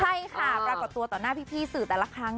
ใช่ค่ะปรากฏตัวต่อหน้าพี่สื่อแต่ละครั้ง